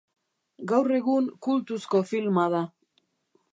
Gaur egun kultuzko filma da.